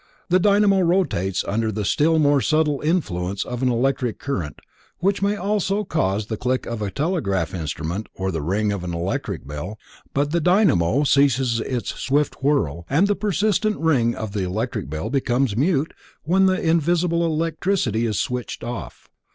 The dynamo rotates under the still more subtile influence of an electric current which may also cause the click of a telegraph instrument or the ring of an electric bell, but the dynamo ceases its swift whirl and the persistent ring of the electric bell becomes mute when the invisible electricity is switched off.